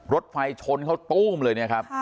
รถไฟชนเขาตู้มเลย